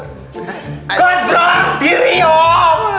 godbron diri yuk